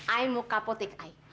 ayah mau ke kapotek ayah